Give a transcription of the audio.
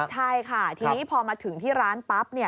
ใช่ค่ะทีนี้พอมาถึงที่ร้านปั๊บ